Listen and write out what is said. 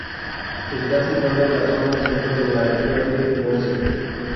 Esta situada en la zona centro de la Región de Murcia.